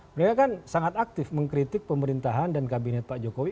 mereka kan sangat aktif mengkritik pemerintahan dan kabinet pak jokowi